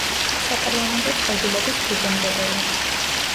საპარლამენტო წყობილების ფუძემდებელი.